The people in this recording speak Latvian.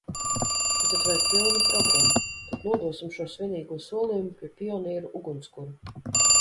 Bet tad vajag pilnu programmu: tad nodosim šo svinīgo solījumu pie pionieru ugunskura!